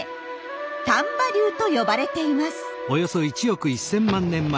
丹波竜と呼ばれています。